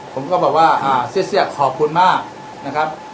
ผมก็บอกว่าเสี้ยขอบคุณมากนะครับ